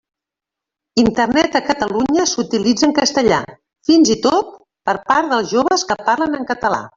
Internet a Catalunya s'utilitza en castellà, fins i tot per part dels joves que parlen en català.